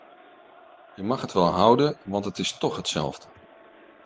Je mag het wel houden, want het is toch hetzelfde.